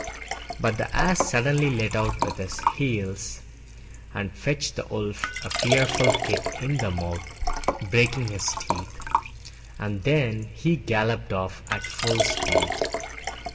But the Ass suddenly let out with his heels and fetched the Wolf a fearful kick in the mouth, breaking his teeth; and then he galloped off at full speed.